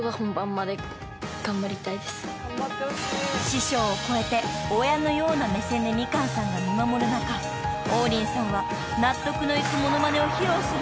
［師匠を超えて親のような目線でみかんさんが見守る中王林さんは］